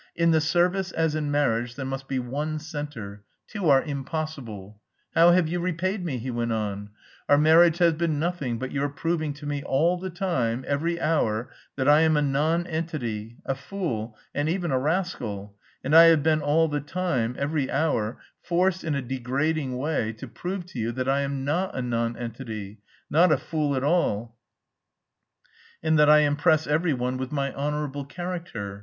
In the service, as in marriage, there must be one centre, two are impossible.... How have you repaid me?" he went on. "Our marriage has been nothing but your proving to me all the time, every hour, that I am a nonentity, a fool, and even a rascal, and I have been all the time, every hour, forced in a degrading way to prove to you that I am not a nonentity, not a fool at all, and that I impress every one with my honourable character.